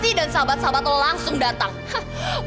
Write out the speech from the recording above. tidak adaje korbanitten imut dipingin